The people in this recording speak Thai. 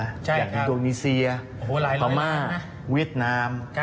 อย่างอินโดนีเซียพม่าเวียดนาม